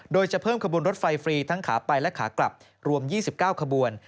โดยจะเพิ่มขบวนรถไฟฟรีทั้งขาไปและขากลับรวม๒๙ขบวน